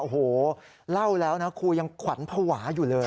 โอ้โหเล่าแล้วนะครูยังขวัญภาวะอยู่เลย